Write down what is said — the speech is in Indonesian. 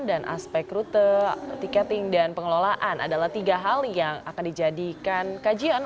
dan aspek rute tiketing dan pengelolaan adalah tiga hal yang akan dijadikan kajian